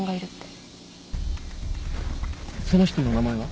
その人の名前は？